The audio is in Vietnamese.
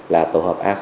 là tổ hợp a